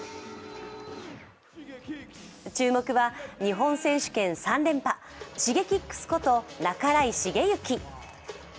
注目は日本選手権３連覇、Ｓｈｉｇｅｋｉｘこと半井重幸。